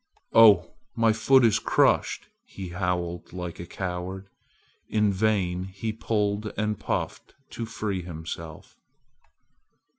"Oh! my foot is crushed!" he howled like a coward. In vain he pulled and puffed to free himself.